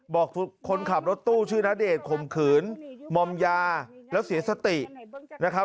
คนขับรถตู้ชื่อณเดชน์ข่มขืนมอมยาแล้วเสียสตินะครับ